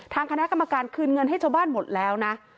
ทางคณะกรรมการคืนเงินให้ชาวบ้านหมดแล้วนะ